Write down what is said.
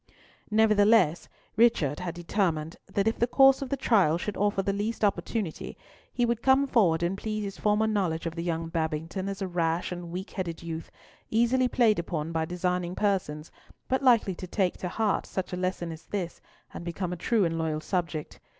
Nevertheless Richard had determined that if the course of the trial should offer the least opportunity, he would come forward and plead his former knowledge of young Babington as a rash and weak headed youth, easily played upon by designing persons, but likely to take to heart such a lesson as this, and become a true and loyal subject.